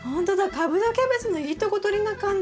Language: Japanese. カブとキャベツのいいとこ取りな感じ。